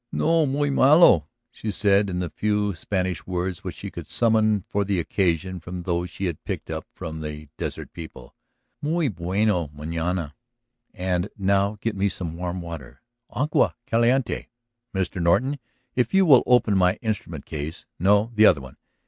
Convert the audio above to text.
"No muy malo," she said in the few Spanish words which she could summon for the occasion from those she had picked up from the desert people. "Muy bueno manana. And now get me some warm water ... agua caliente. Mr. Norton, if you will open my instrument case ... no; the other one.